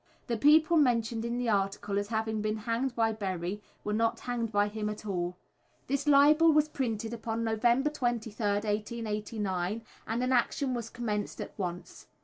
The people mentioned in the article as having been hanged by Berry were not hanged by him at all. This libel was printed upon November 23rd, 1889, and an action was commenced at once.